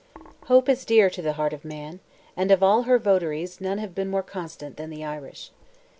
Hope is dear to the heart of man, and of all her votaries none have been more constant than the Irish.